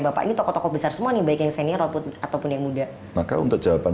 bapak ini tokoh tokoh besar semua nih baik yang senior ataupun yang muda maka untuk jawaban